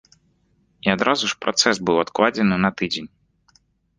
І адразу ж працэс быў адкладзены на тыдзень.